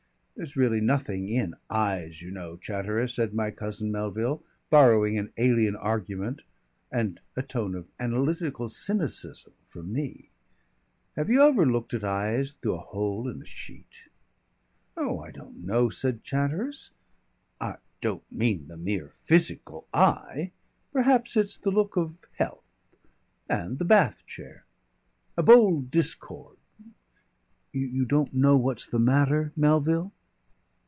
"There's really nothing in eyes, you know, Chatteris," said my cousin Melville, borrowing an alien argument and a tone of analytical cynicism from me. "Have you ever looked at eyes through a hole in a sheet?" "Oh, I don't know," said Chatteris. "I don't mean the mere physical eye.... Perhaps it's the look of health and the bath chair. A bold discord. You don't know what's the matter, Melville?"